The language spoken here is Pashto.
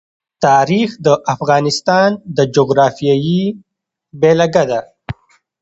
تاریخ د افغانستان د جغرافیې بېلګه ده.